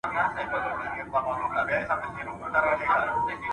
پاکوالی ښه دئ.